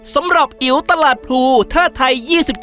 สำหรับอิ๋วตลาดพลูท่าไทย๒๒